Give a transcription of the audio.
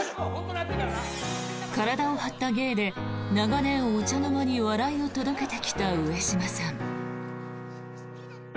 体を張った芸で長年、お茶の間に笑いを届けてきた上島さん。